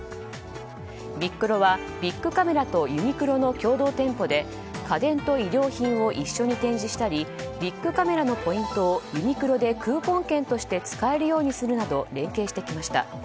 ビックロはビックカメラとユニクロの共同店舗で家電と衣料品を一緒に展示したりビックカメラのポイントをユニクロでクーポン券として使えるようにするなど連携してきました。